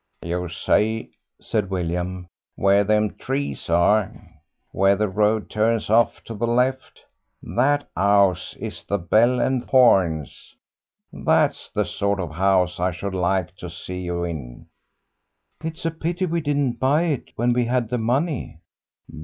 "You see," said William, "where them trees are, where the road turns off to the left. That 'ouse is the 'Bell and Horns.' That's the sort of house I should like to see you in." "It's a pity we didn't buy it when we had the money."